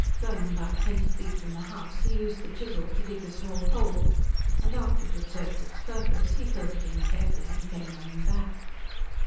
Going about twenty feet from the house, he used the chisel to dig a small hole, and after it had served its purpose he filled it in carefully and came running back.